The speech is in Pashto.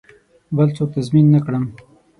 بل څوک تضمین نه کړم.